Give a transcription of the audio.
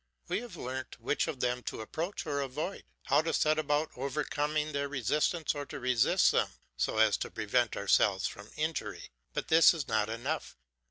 We have learnt which of them to approach or avoid, how to set about overcoming their resistance or to resist them so as to prevent ourselves from injury; but this is not enough.